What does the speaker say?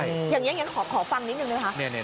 อย่างนี้ยังขอฟังนิดนึงนะคะ